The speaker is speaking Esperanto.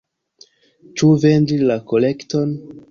Ĉu vendi la kolekton?